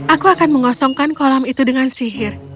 aku akan mengosongkan kolam itu dengan sihir